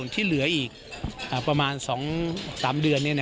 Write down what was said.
โทษครั้งมาบ้าง